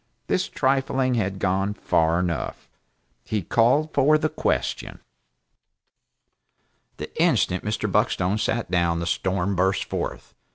This trifling had gone far enough. He called for the question. The instant Mr. Buckstone sat down, the storm burst forth.